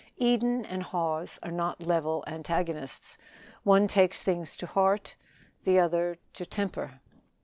Eden and Hawes are not level antagonists one takes things to heart, the other to temper.